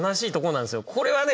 これはね